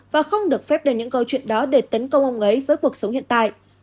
và không được phép lên những câu chuyện đó để tấn công ông ấy với cuộc sống hiện tại